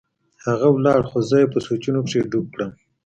هغه ولاړ خو زه يې په سوچونو کښې ډوب کړم.